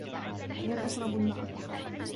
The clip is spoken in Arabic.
هي تشرب الماء فقط.